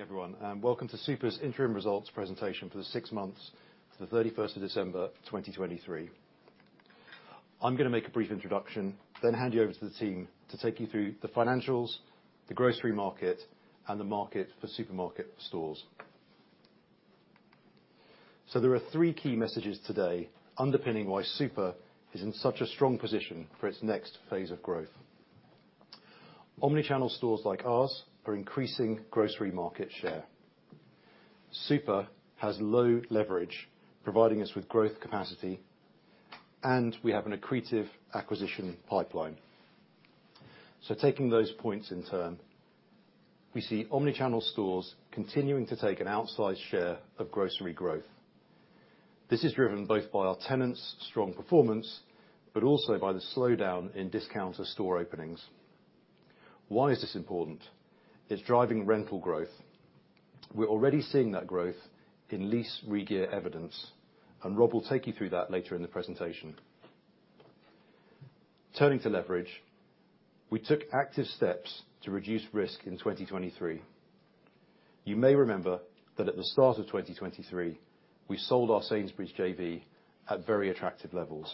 Good morning, everyone, and welcome to SUPR's interim results presentation for the six months to the 31st of December, 2023. I'm going to make a brief introduction, then hand you over to the team to take you through the financials, the grocery market, and the market for supermarket stores. There are three key messages today underpinning why SUPR is in such a strong position for its next phase of growth. Omnichannel stores like ours are increasing grocery market share. SUPR has low leverage, providing us with growth capacity, and we have an accretive acquisition pipeline. Taking those points in turn, we see omnichannel stores continuing to take an outsized share of grocery growth. This is driven both by our tenants' strong performance but also by the slowdown in discounter store openings. Why is this important? It's driving rental growth. We're already seeing that growth in lease regear evidence, and Rob will take you through that later in the presentation. Turning to leverage, we took active steps to reduce risk in 2023. You may remember that at the start of 2023, we sold our Sainsbury's JV at very attractive levels.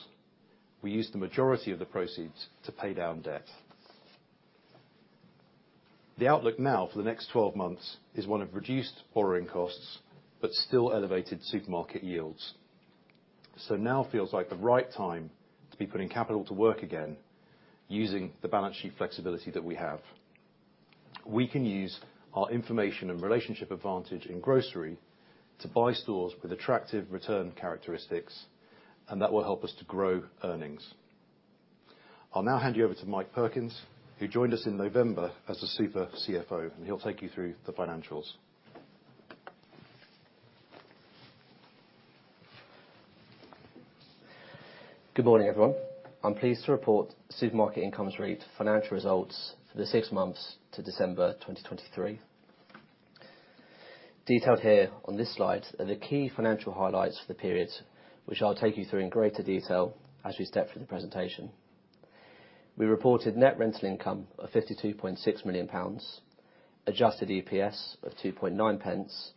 We used the majority of the proceeds to pay down debt. The outlook now for the next 12 months is one of reduced borrowing costs but still elevated supermarket yields. So now feels like the right time to be putting capital to work again using the balance sheet flexibility that we have. We can use our information and relationship advantage in grocery to buy stores with attractive return characteristics, and that will help us to grow earnings. I'll now hand you over to Mike Perkins, who joined us in November as the SUPR CFO, and he'll take you through the financials. Good morning, everyone. I'm pleased to report Supermarket Income REIT's financial results for the six months to December, 2023. Detailed here on this slide are the key financial highlights for the period, which I'll take you through in greater detail as we step through the presentation. We reported net rental income of 52.6 million pounds, adjusted EPS of 0.029,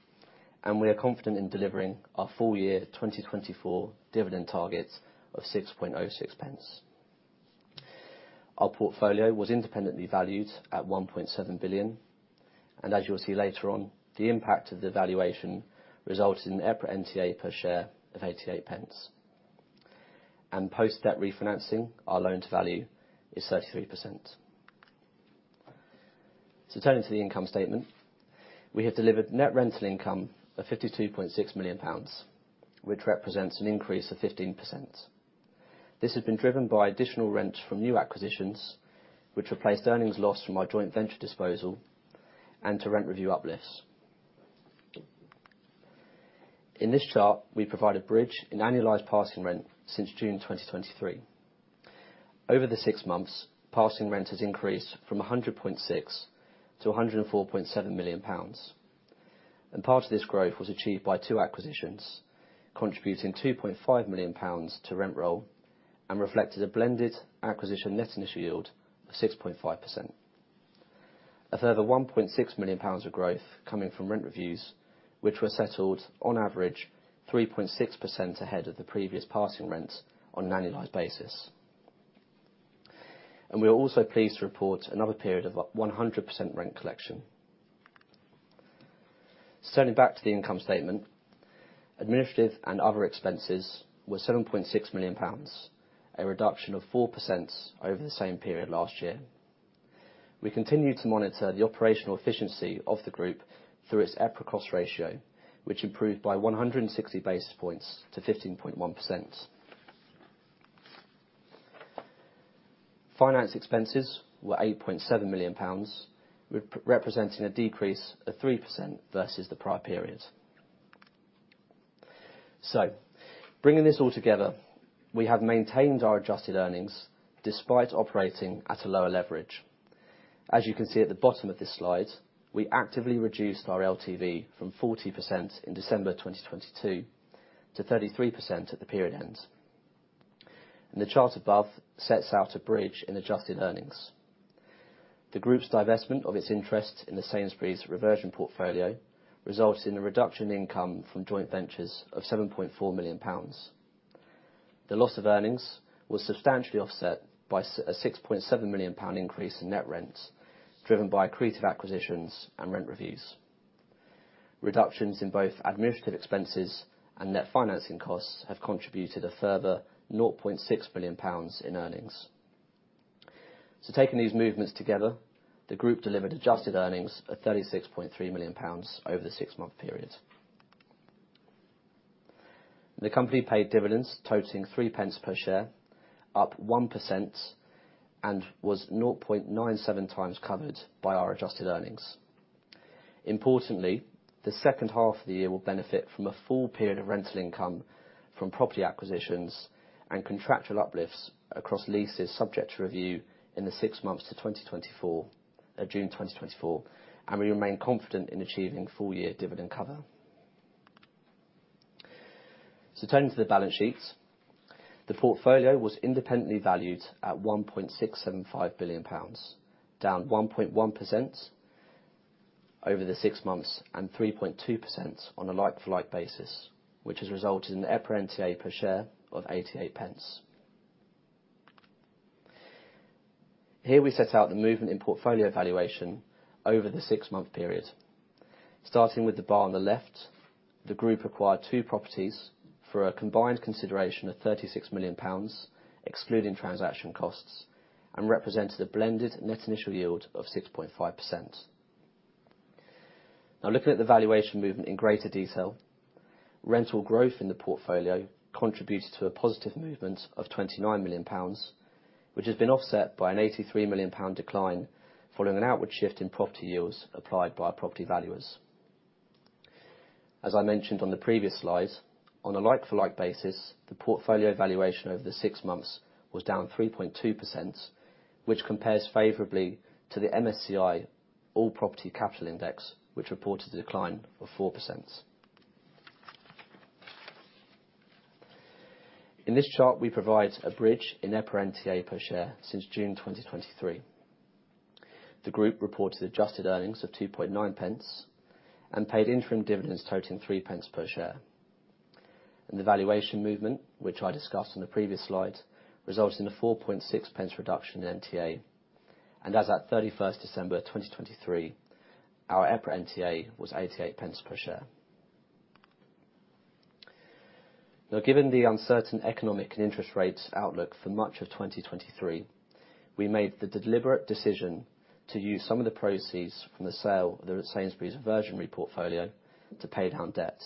and we are confident in delivering our full-year 2024 dividend target of 0.0606. Our portfolio was independently valued at 1.7 billion, and as you'll see later on, the impact of the valuation resulted in an EPRA NTA per share of 0.88. Post-debt refinancing, our loan to value is 33%. Turning to the income statement, we have delivered net rental income of 52.6 million pounds, which represents an increase of 15%. This has been driven by additional rent from new acquisitions, which replaced earnings loss from our joint venture disposal, and to rent review uplifts. In this chart, we provide a bridge in annualized passing rent since June, 2023. Over the six months, passing rent has increased from 100.6 million to 104.7 million pounds. Part of this growth was achieved by two acquisitions, contributing 2.5 million pounds to rent roll and reflected a blended acquisition net initial yield of 6.5%. A further 1.6 million pounds of growth coming from rent reviews, which were settled, on average, 3.6% ahead of the previous passing rent on an annualized basis. We are also pleased to report another period of 100% rent collection. Turning back to the income statement, administrative and other expenses were 7.6 million pounds, a reduction of 4% over the same period last year. We continue to monitor the operational efficiency of the group through its EPRA Cost Ratio, which improved by 160 basis points to 15.1%. Finance expenses were 8.7 million pounds, representing a decrease of 3% versus the prior period. So bringing this all together, we have maintained our adjusted earnings despite operating at a lower leverage. As you can see at the bottom of this slide, we actively reduced our LTV from 40% in December 2022 to 33% at the period end. And the chart above sets out a bridge in adjusted earnings. The group's divestment of its interest in the Sainsbury's reversion portfolio resulted in a reduction in income from joint ventures of 7.4 million pounds. The loss of earnings was substantially offset by a 6.7 million pound increase in net rent driven by accretive acquisitions and rent reviews. Reductions in both administrative expenses and net financing costs have contributed a further 0.6 million pounds in earnings. Taking these movements together, the group delivered adjusted earnings of 36.3 million pounds over the six-month period. The company paid dividends totaling 0.03 per share, up 1%, and was 0.97 times covered by our adjusted earnings. Importantly, the second half of the year will benefit from a full period of rental income from property acquisitions and contractual uplifts across leases subject to review in the six months to June 2024, and we remain confident in achieving full-year dividend cover. Turning to the balance sheet, the portfolio was independently valued at 1.675 billion pounds, down 1.1% over the six months and 3.2% on a like-for-like basis, which has resulted in an EPRA NTA per share of 0.88. Here we set out the movement in portfolio valuation over the six-month period. Starting with the bar on the left, the group acquired two properties for a combined consideration of 36 million pounds, excluding transaction costs, and represented a blended net initial yield of 6.5%. Now, looking at the valuation movement in greater detail, rental growth in the portfolio contributed to a positive movement of 29 million pounds, which has been offset by an 83 million pound decline following an outward shift in property yields applied by property valuers. As I mentioned on the previous slide, on a like-for-like basis, the portfolio valuation over the six months was down 3.2%, which compares favorably to the MSCI All Property Capital Index, which reported a decline of 4%. In this chart, we provide a bridge in EPRA NTA per share since June, 2023. The group reported adjusted earnings of 2.9 pence and paid interim dividends totaling 3 pence per share. The valuation movement, which I discussed on the previous slide, resulted in a 0.046 reduction in NTA. As of 31st December 2023, our EPRA NTA was 0.88 per share. Now, given the uncertain economic and interest rates outlook for much of 2023, we made the deliberate decision to use some of the proceeds from the sale of the Sainsbury's reversion REIT portfolio to pay down debt.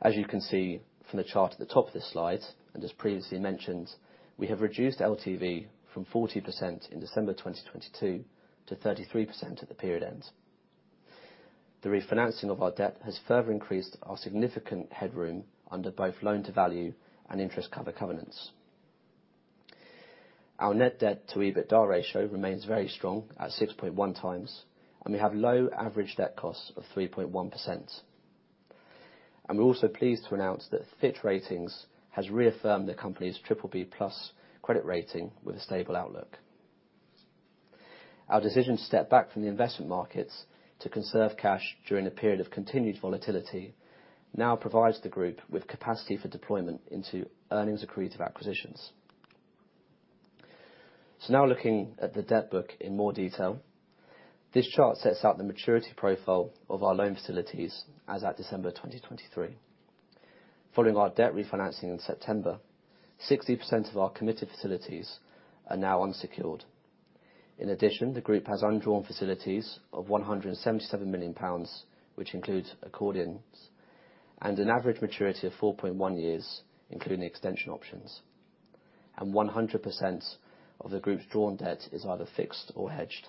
As you can see from the chart at the top of this slide, and as previously mentioned, we have reduced LTV from 40% in December 2022 to 33% at the period end. The refinancing of our debt has further increased our significant headroom under both loan to value and interest cover covenants. Our net debt-to-EBITDA ratio remains very strong at 6.1x, and we have low average debt costs of 3.1%. We're also pleased to announce that Fitch Ratings has reaffirmed the company's BBB+ credit rating with a stable outlook. Our decision to step back from the investment markets to conserve cash during a period of continued volatility now provides the group with capacity for deployment into earnings accretive acquisitions. So now looking at the debt book in more detail, this chart sets out the maturity profile of our loan facilities as of December, 2023. Following our debt refinancing in September, 60% of our committed facilities are now unsecured. In addition, the group has undrawn facilities of 177 million pounds, which includes accordions, and an average maturity of 4.1 years, including extension options. 100% of the group's drawn debt is either fixed or hedged.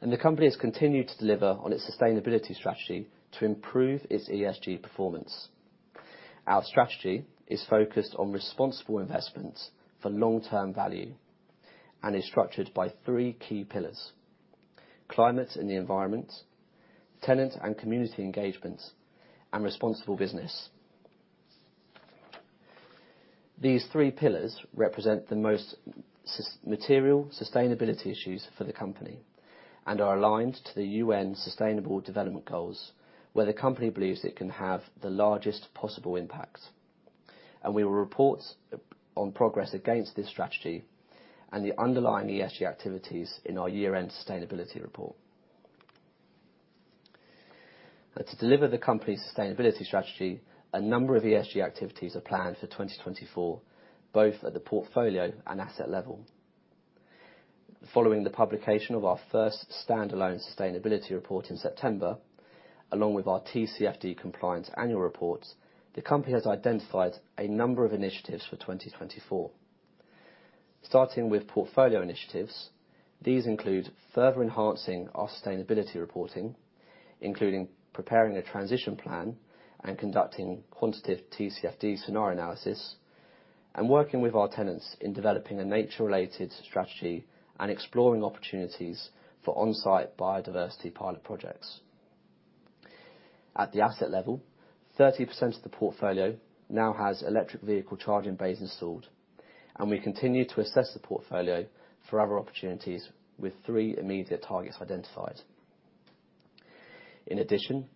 The company has continued to deliver on its sustainability strategy to improve its ESG performance. Our strategy is focused on responsible investments for long-term value and is structured by three key pillars: climate and the environment, tenant and community engagement, and responsible business. These three pillars represent the most material sustainability issues for the company and are aligned to the UN Sustainable Development Goals, where the company believes it can have the largest possible impact. We will report on progress against this strategy and the underlying ESG activities in our year-end sustainability report. To deliver the company's sustainability strategy, a number of ESG activities are planned for 2024, both at the portfolio and asset level. Following the publication of our first standalone sustainability report in September, along with our TCFD compliance annual reports, the company has identified a number of initiatives for 2024. Starting with portfolio initiatives, these include further enhancing our sustainability reporting, including preparing a transition plan and conducting quantitative TCFD scenario analysis, and working with our tenants in developing a nature-related strategy and exploring opportunities for on-site biodiversity pilot projects. At the asset level, 30% of the portfolio now has electric vehicle charging bays installed, and we continue to assess the portfolio for other opportunities with three immediate targets identified. In addition,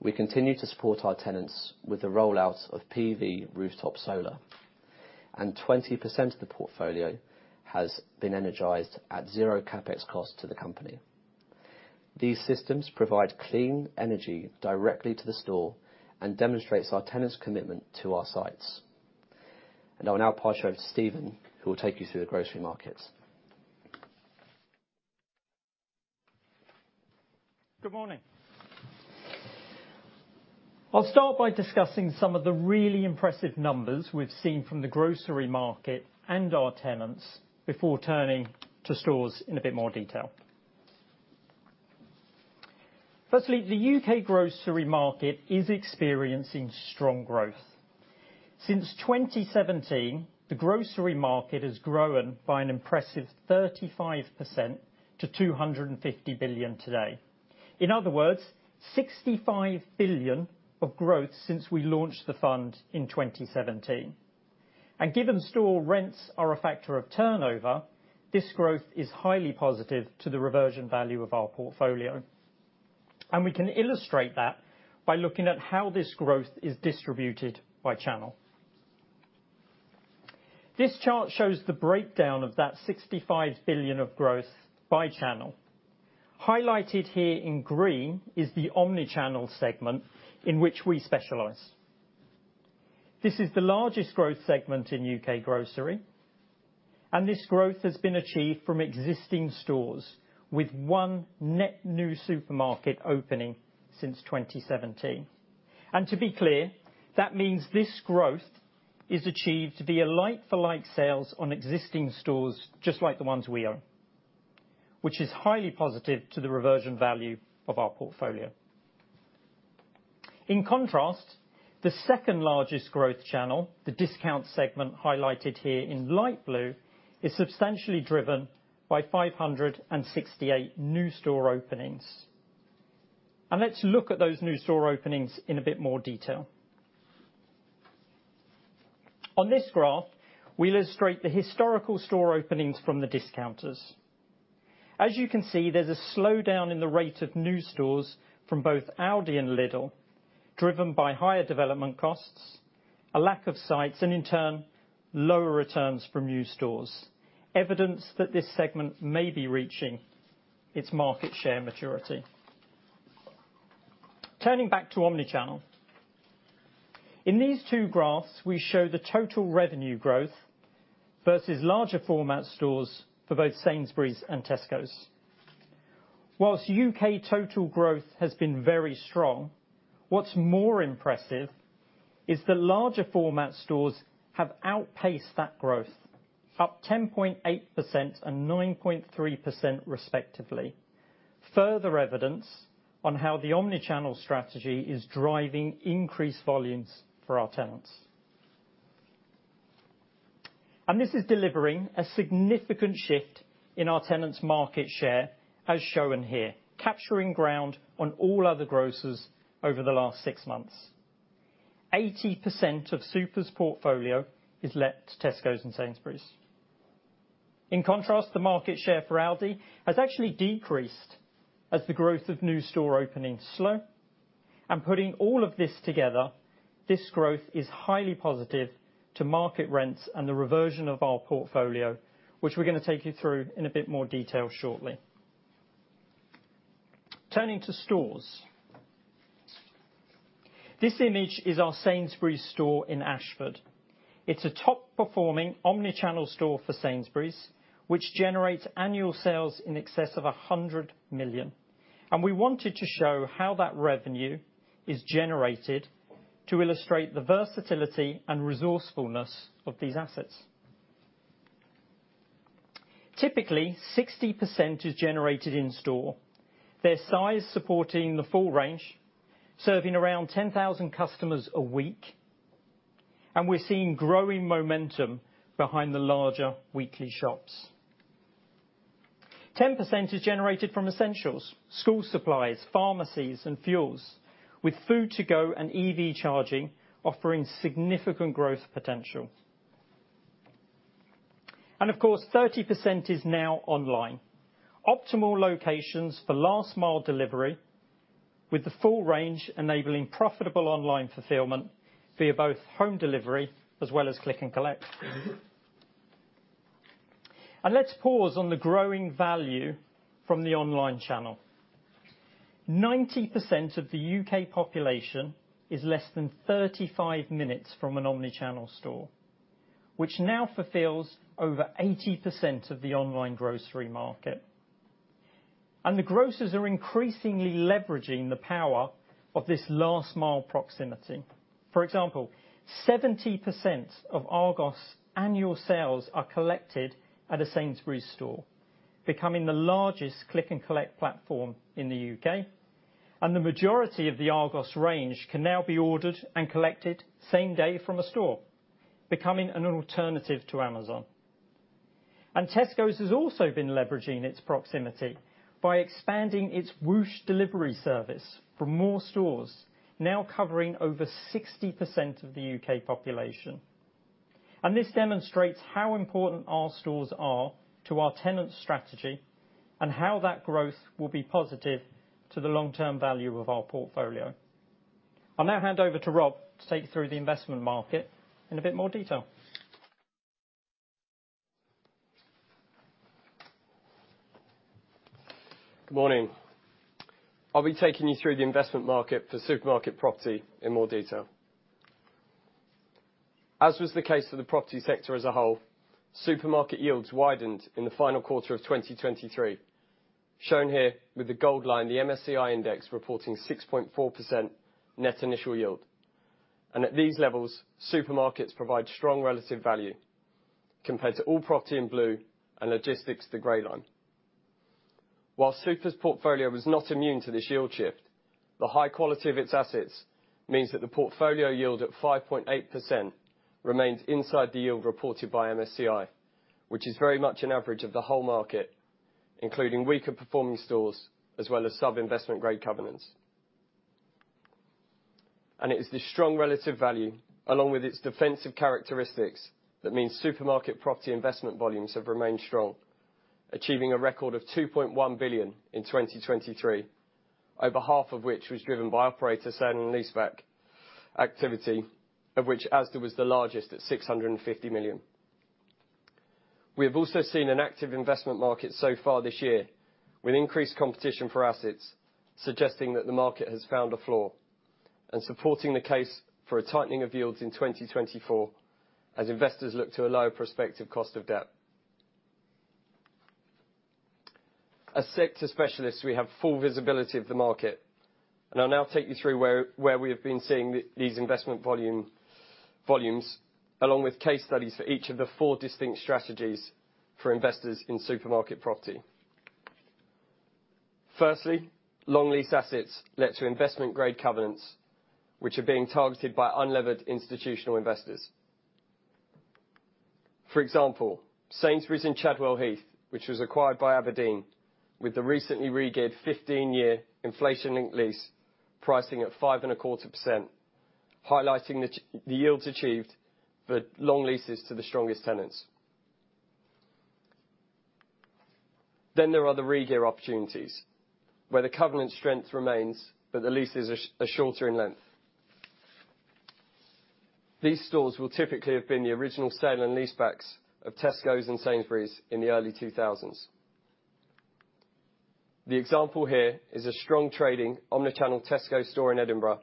we continue to support our tenants with the rollout of PV rooftop solar, and 20% of the portfolio has been energized at zero CapEx cost to the company. These systems provide clean energy directly to the store and demonstrate our tenants' commitment to our sites. I will now pass you over to Stephen, who will take you through the grocery markets. Good morning. I'll start by discussing some of the really impressive numbers we've seen from the grocery market and our tenants before turning to stores in a bit more detail. Firstly, the U.K. grocery market is experiencing strong growth. Since 2017, the grocery market has grown by an impressive 35% to 250 billion today. In other words, 65 billion of growth since we launched the fund in 2017. Given store rents are a factor of turnover, this growth is highly positive to the reversion value of our portfolio. We can illustrate that by looking at how this growth is distributed by channel. This chart shows the breakdown of that 65 billion of growth by channel. Highlighted here in green is the omnichannel segment in which we specialize. This is the largest growth segment in U.K. grocery, and this growth has been achieved from existing stores with one net new supermarket opening since 2017. To be clear, that means this growth is achieved via like-for-like sales on existing stores just like the ones we own, which is highly positive to the reversion value of our portfolio. In contrast, the second largest growth channel, the discount segment highlighted here in light blue, is substantially driven by 568 new store openings. Let's look at those new store openings in a bit more detail. On this graph, we'll illustrate the historical store openings from the discounters. As you can see, there's a slowdown in the rate of new stores from both Aldi and Lidl, driven by higher development costs, a lack of sites, and in turn, lower returns from new stores, evidence that this segment may be reaching its market share maturity. Turning back to omnichannel. In these two graphs, we show the total revenue growth versus larger format stores for both Sainsbury's and Tesco's. While UK total growth has been very strong, what's more impressive is that larger format stores have outpaced that growth, up 10.8% and 9.3% respectively, further evidence on how the omnichannel strategy is driving increased volumes for our tenants. And this is delivering a significant shift in our tenants' market share, as shown here, capturing ground on all other grocers over the last six months. 80% of SUPR's portfolio is let to Tesco's and Sainsbury's. In contrast, the market share for Audi has actually decreased as the growth of new store openings slowed. Putting all of this together, this growth is highly positive to market rents and the reversion of our portfolio, which we're going to take you through in a bit more detail shortly. Turning to stores. This image is our Sainsbury's store in Ashford. It's a top-performing omnichannel store for Sainsbury's, which generates annual sales in excess of 100 million. And we wanted to show how that revenue is generated to illustrate the versatility and resourcefulness of these assets. Typically, 60% is generated in store, their size supporting the full range, serving around 10,000 customers a week. And we're seeing growing momentum behind the larger weekly shops. 10% is generated from essentials, school supplies, pharmacies, and fuels, with food-to-go and EV charging offering significant growth potential. Of course, 30% is now online, optimal locations for last-mile delivery, with the full range enabling profitable online fulfillment via both home delivery as well as click-and-collect. Let's pause on the growing value from the online channel. 90% of the UK population is less than 35 minutes from an omnichannel store, which now fulfills over 80% of the online grocery market. The grocers are increasingly leveraging the power of this last-mile proximity. For example, 70% of Argos' annual sales are collected at a Sainsbury's store, becoming the largest click-and-collect platform in the UK. The majority of the Argos range can now be ordered and collected same day from a store, becoming an alternative to Amazon. Tesco's has also been leveraging its proximity by expanding its Woosh delivery service from more stores, now covering over 60% of the UK population. This demonstrates how important our stores are to our tenants' strategy and how that growth will be positive to the long-term value of our portfolio. I'll now hand over to Rob to take you through the investment market in a bit more detail. Good morning. I'll be taking you through the investment market for supermarket property in more detail. As was the case for the property sector as a whole, supermarket yields widened in the final quarter of 2023, shown here with the gold line, the MSCI Index reporting 6.4% net initial yield. At these levels, supermarkets provide strong relative value compared to all property in blue and logistics, the grey line. While Super's portfolio was not immune to this yield shift, the high quality of its assets means that the portfolio yield at 5.8% remains inside the yield reported by MSCI, which is very much an average of the whole market, including weaker performing stores as well as sub-investment grade covenants. It is this strong relative value, along with its defensive characteristics, that means supermarket property investment volumes have remained strong, achieving a record of 2.1 billion in 2023, over half of which was driven by operator sale and leaseback activity, of which Asda was the largest at 650 million. We have also seen an active investment market so far this year with increased competition for assets, suggesting that the market has found a floor and supporting the case for a tightening of yields in 2024 as investors look to a lower prospective cost of debt. As sector specialists, we have full visibility of the market, and I'll now take you through where we have been seeing these investment volumes, along with case studies for each of the four distinct strategies for investors in supermarket property. Firstly, long-lease assets led to investment grade covenants, which are being targeted by unlevered institutional investors. For example, Sainsbury's in Chadwell Heath, which was acquired by Aberdeen with the recently regeared 15-year inflation-linked lease pricing at 5.25%, highlighting the yields achieved for long leases to the strongest tenants. Then there are the regear opportunities, where the covenant strength remains but the lease is shorter in length. These stores will typically have been the original sale and leasebacks of Tesco's and Sainsbury's in the early 2000s. The example here is a strong trading omnichannel Tesco store in Edinburgh,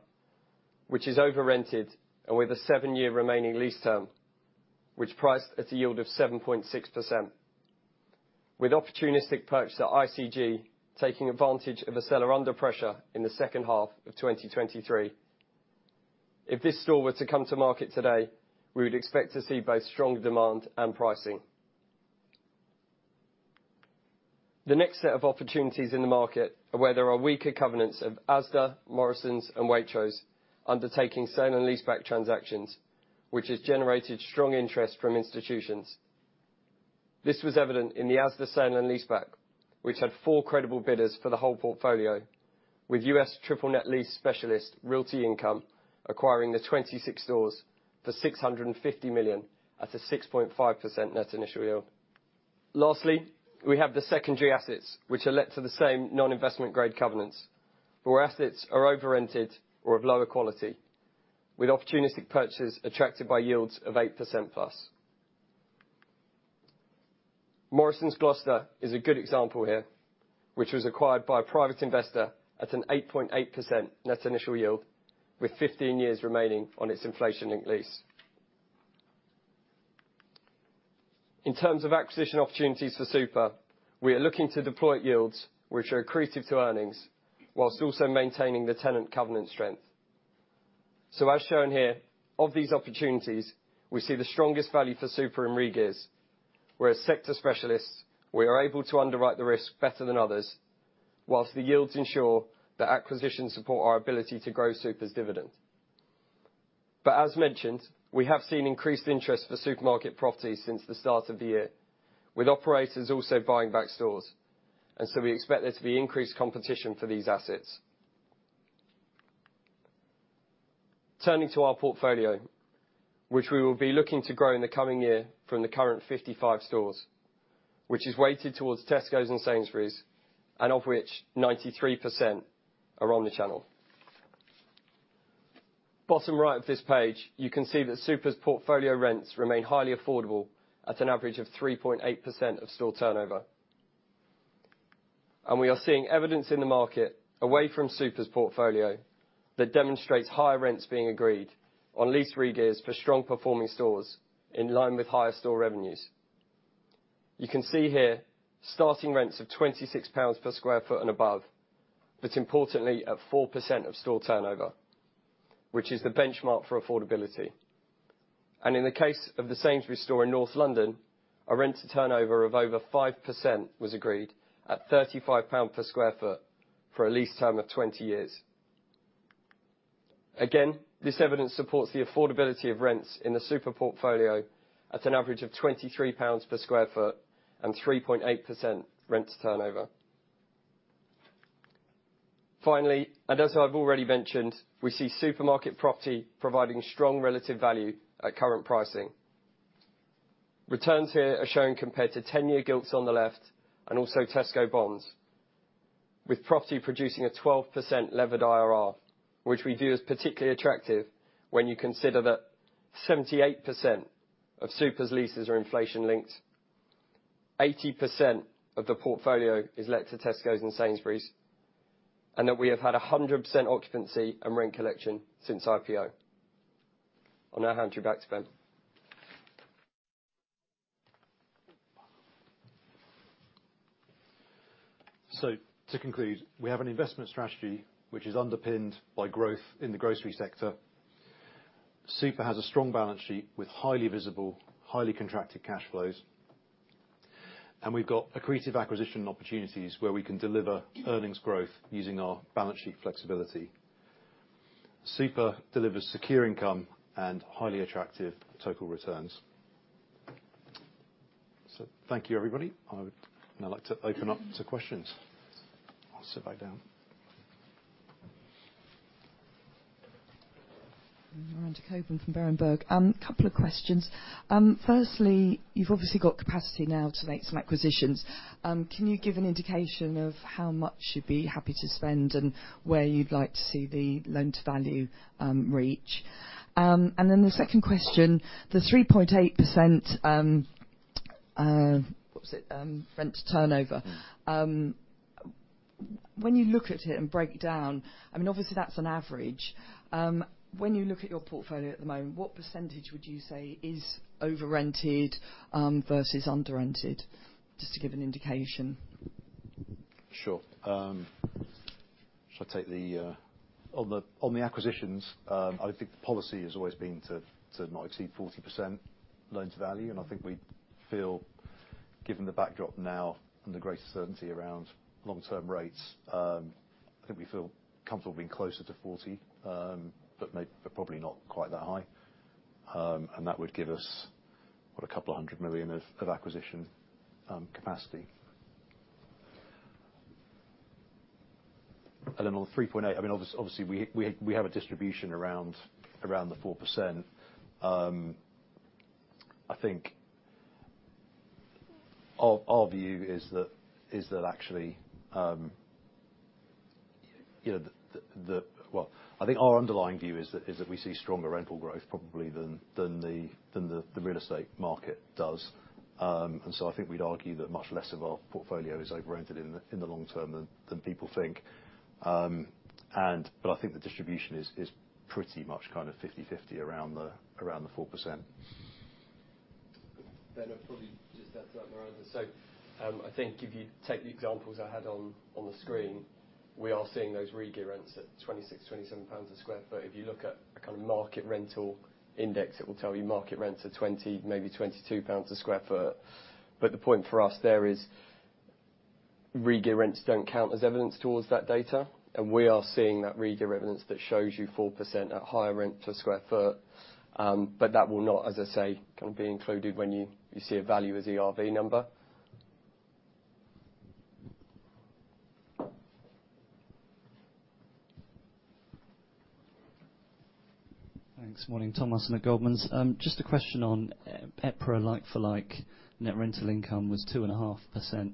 which is over-rented and with a 7-year remaining lease term, which priced at a yield of 7.6%, with opportunistic purchase at ICG taking advantage of a seller under pressure in the second half of 2023. If this store were to come to market today, we would expect to see both strong demand and pricing. The next set of opportunities in the market are where there are weaker covenants of Asda, Morrisons, and Waitrose undertaking sale and leaseback transactions, which has generated strong interest from institutions. This was evident in the Asda sale and leaseback, which had 4 credible bidders for the whole portfolio, with US triple net lease specialist Realty Income acquiring the 26 stores for 650 million at a 6.5% net initial yield. Lastly, we have the secondary assets, which are led to the same non-investment grade covenants, where assets are over-rented or of lower quality, with opportunistic purchases attracted by yields of 8%+. Morrisons Gloucester is a good example here, which was acquired by a private investor at an 8.8% net initial yield, with 15 years remaining on its inflation-linked lease. In terms of acquisition opportunities for Super, we are looking to deploy yields which are accretive to earnings while also maintaining the tenant covenant strength. So as shown here, of these opportunities, we see the strongest value for Super in regears, where as sector specialists, we are able to underwrite the risk better than others while the yields ensure that acquisitions support our ability to grow Super's dividend. But as mentioned, we have seen increased interest for supermarket properties since the start of the year, with operators also buying back stores, and so we expect there to be increased competition for these assets. Turning to our portfolio, which we will be looking to grow in the coming year from the current 55 stores, which is weighted towards Tesco's and Sainsbury's, and of which 93% are omnichannel. Bottom right of this page, you can see that Super's portfolio rents remain highly affordable at an average of 3.8% of store turnover. We are seeing evidence in the market away from Super's portfolio that demonstrates higher rents being agreed on lease regears for strong performing stores in line with higher store revenues. You can see here starting rents of 26 pounds per sq ft and above, but importantly, at 4% of store turnover, which is the benchmark for affordability. In the case of the Sainsbury's store in North London, a rent to turnover of over 5% was agreed at 35 pounds per sq ft for a lease term of 20 years. Again, this evidence supports the affordability of rents in the Super portfolio at an average of 23 pounds per sq ft and 3.8% rent to turnover. Finally, and as I've already mentioned, we see supermarket property providing strong relative value at current pricing. Returns here are shown compared to 10-year gilts on the left and also Tesco bonds, with property producing a 12% levered IRR, which we view as particularly attractive when you consider that 78% of Super's leases are inflation-linked, 80% of the portfolio is let to Tesco's and Sainsbury's, and that we have had 100% occupancy and rent collection since IPO. I'll now hand you back to Ben. To conclude, we have an investment strategy which is underpinned by growth in the grocery sector. Super has a strong balance sheet with highly visible, highly contracted cash flows. We've got accretive acquisition opportunities where we can deliver earnings growth using our balance sheet flexibility. Super delivers secure income and highly attractive total returns. Thank you, everybody. I would now like to open up to questions. I'll sit back down. Lauren Jacoban from Berenberg. Couple of questions. Firstly, you've obviously got capacity now to make some acquisitions. Can you give an indication of how much you'd be happy to spend and where you'd like to see the loan-to-value reach? And then the second question, the 3.8% what was it? Rent to turnover. When you look at it and break down, I mean, obviously, that's an average. When you look at your portfolio at the moment, what percentage would you say is over-rented versus under-rented? Just to give an indication. Sure. Should I take the one on the acquisitions, I think the policy has always been to not exceed 40% loan-to-value. And I think we feel, given the backdrop now and the greater certainty around long-term rates, I think we feel comfortable being closer to 40 but probably not quite that high. And that would give us, what, 200 million of acquisition capacity. And then on the 3.8, I mean, obviously, we have a distribution around the 4%. I think our view is that actually well, I think our underlying view is that we see stronger rental growth probably than the real estate market does. And so I think we'd argue that much less of our portfolio is over-rented in the long term than people think. But I think the distribution is pretty much kind of 50/50 around the 4%. Ben, I'll probably just add something around this. So I think if you take the examples I had on the screen, we are seeing those regear rents at 26 pounds, 27 pounds per sq ft. If you look at a kind of market rental index, it will tell you market rents are maybe 22 pounds per sq ft. But the point for us there is regear rents don't count as evidence towards that data. And we are seeing that regear evidence that shows you 4% at higher rent per sq ft. But that will not, as I say, kind of be included when you see a value as ERV number. Thanks. Morning, Thomas and the Goldman Sachs. Just a question on EPRA like-for-like. Net rental income was 2.5%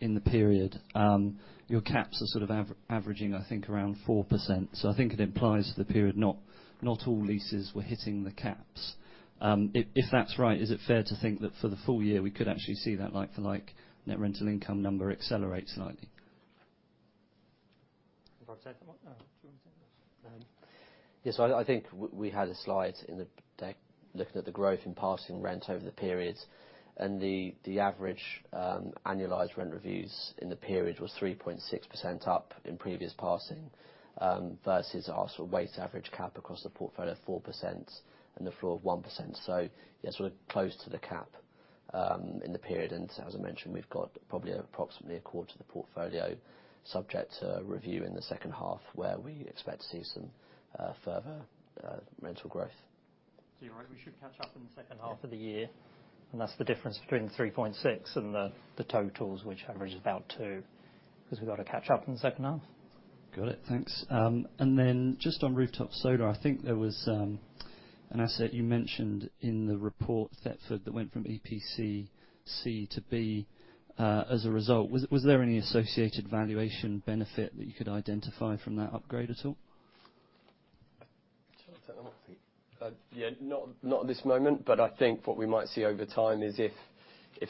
in the period. Your caps are sort of averaging, I think, around 4%. So I think it implies for the period, not all leases were hitting the caps. If that's right, is it fair to think that for the full year, we could actually see that like-for-like net rental income number accelerate slightly? Rob, say something. Yes. So I think we had a slide looking at the growth in passing rent over the period. And the average annualized rent reviews in the period was 3.6% up in previous passing versus our sort of weighted average cap across the portfolio of 4% and the floor of 1%. So yeah, sort of close to the cap in the period. And as I mentioned, we've got probably approximately a quarter of the portfolio subject to review in the second half where we expect to see some further rental growth. Do you agree we should catch up in the second half of the year? That's the difference between the 3.6 and the totals, which averages about 2, because we've got to catch up in the second half. Got it. Thanks. And then just on rooftop solar, I think there was an asset you mentioned in the report, Thetford, that went from EPC C to B as a result. Was there any associated valuation benefit that you could identify from that upgrade at all? I'm trying to think. Yeah, not at this moment. But I think what we might see over time is if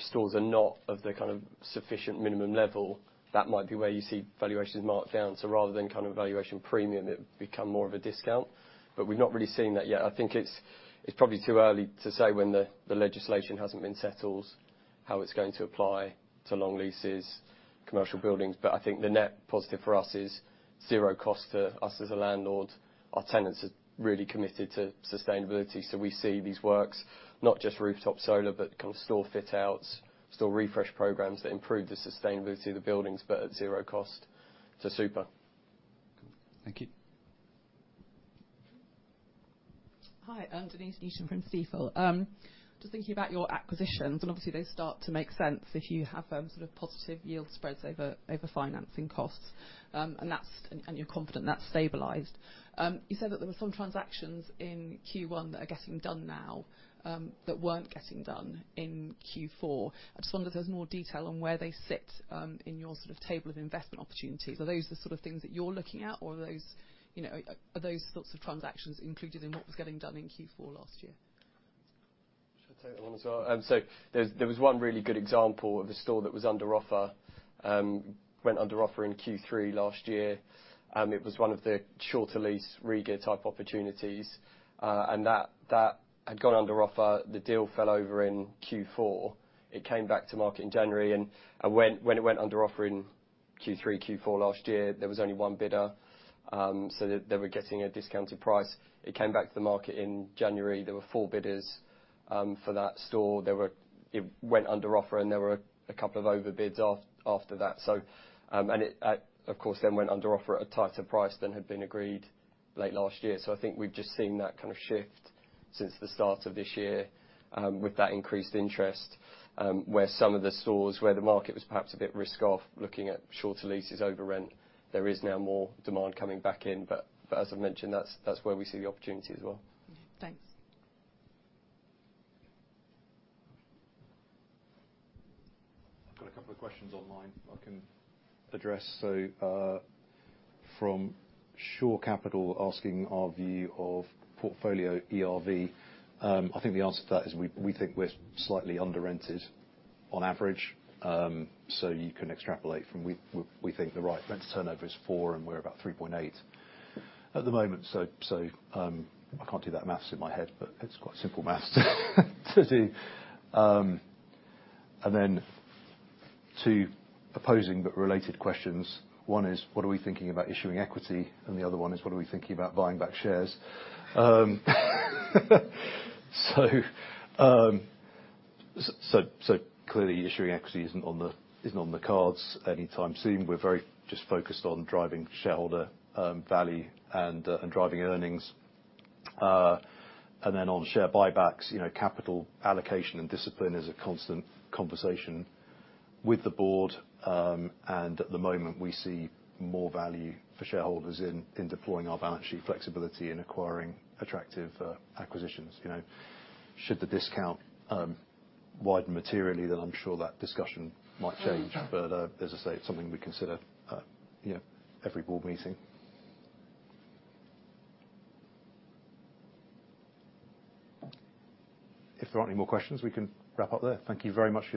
stores are not of the kind of sufficient minimum level, that might be where you see valuations marked down. So rather than kind of valuation premium, it would become more of a discount. But we've not really seen that yet. I think it's probably too early to say when the legislation hasn't been settled how it's going to apply to long leases, commercial buildings. But I think the net positive for us is zero cost to us as a landlord. Our tenants are really committed to sustainability. So we see these works, not just rooftop solar but kind of store fit-outs, store refresh programs that improve the sustainability of the buildings but at zero cost to Super. Thank you. Hi. Denise Newton from Stifel. Just thinking about your acquisitions, and obviously, they start to make sense if you have sort of positive yield spreads over financing costs and you're confident that's stabilised. You said that there were some transactions in Q1 that are getting done now that weren't getting done in Q4. I just wonder if there's more detail on where they sit in your sort of table of investment opportunities. Are those the sort of things that you're looking at, or are those sorts of transactions included in what was getting done in Q4 last year? Should I take that one as well? So there was one really good example of a store that was under offer, went under offer in Q3 last year. It was one of the shorter lease regear type opportunities. That had gone under offer. The deal fell over in Q4. It came back to market in January. When it went under offer in Q3, Q4 last year, there was only one bidder. So they were getting a discounted price. It came back to the market in January. There were four bidders for that store. It went under offer, and there were a couple of overbids after that. It, of course, then went under offer at a tighter price than had been agreed late last year. So I think we've just seen that kind of shift since the start of this year with that increased interest, where some of the stores where the market was perhaps a bit risk-off looking at shorter leases, overrent, there is now more demand coming back in. But as I've mentioned, that's where we see the opportunity as well. Thanks. I've got a couple of questions online. I can address. So from Shore Capital asking our view of portfolio ERV, I think the answer to that is we think we're slightly under-rented on average. So you can extrapolate from we think the right rent to turnover is 4, and we're about 3.8 at the moment. So I can't do that math in my head, but it's quite simple math to do. And then two opposing but related questions. One is, what are we thinking about issuing equity? And the other one is, what are we thinking about buying back shares? So clearly, issuing equity isn't on the cards anytime soon. We're very just focused on driving shareholder value and driving earnings. And then on share buybacks, capital allocation and discipline is a constant conversation with the board. At the moment, we see more value for shareholders in deploying our balance sheet flexibility and acquiring attractive acquisitions. Should the discount widen materially, then I'm sure that discussion might change. But as I say, it's something we consider at every board meeting. If there aren't any more questions, we can wrap up there. Thank you very much for.